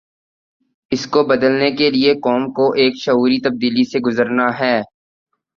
اس کو بدلنے کے لیے قوم کو ایک شعوری تبدیلی سے گزرنا ہے۔